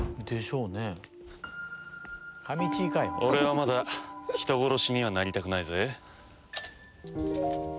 俺はまだ人殺しにはなりたくないぜ。